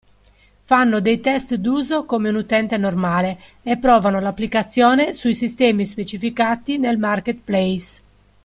Fanno dei test d'uso come un utente normale e provano l'applicazione sui sistemi specificati nel marketplace.